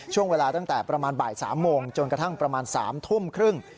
ช่วงเวลาตั้งแต่ประมาณบ่าย๓โมงจนกระทั่งประมาณ๓ทุ่มครึ่ง